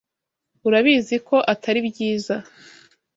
Urabizi ko atari byiza.